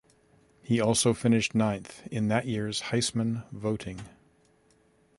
He also finished ninth in that year's Heisman voting.